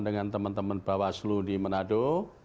dengan teman teman bawaslu di manado